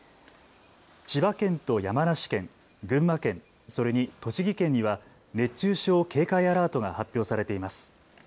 千葉県と山梨県、群馬県、それに栃木県には熱中症警戒アラートが発表されています。